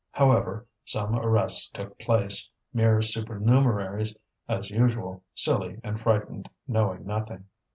However, some arrests took place, mere supernumeraries as usual, silly and frightened, knowing nothing.